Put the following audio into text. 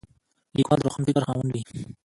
لیکوال د روښان فکر خاوند وي.